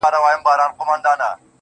o ستا څخه ډېر تـنگ.